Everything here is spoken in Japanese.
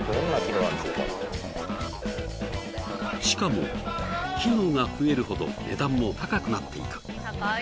しかも機能が増えるほど値段も高くなっていく。